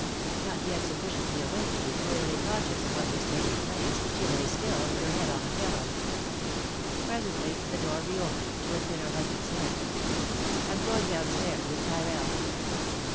Not yet sufficiently awake to be clearly conscious of what was taking place, she lay still, with her head on the pillow. Presently the door reopened, to admit her husband's head. "I'm going downstairs with Tyrrell."